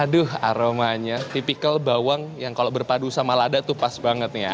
aduh aromanya tipikal bawang yang kalau berpadu sama lada tuh pas banget ya